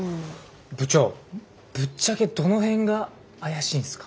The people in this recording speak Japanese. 部長ぶっちゃけどの辺が怪しいんすか？